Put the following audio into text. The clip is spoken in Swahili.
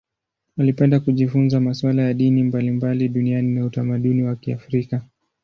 Alipenda kujifunza masuala ya dini mbalimbali duniani na utamaduni wa Kiafrika.